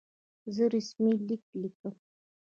زه رسمي لیک لیکم.